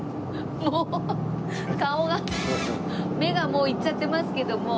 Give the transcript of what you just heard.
もう顔が目がもういっちゃってますけども。